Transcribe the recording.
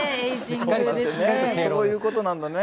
そういうことなんだね。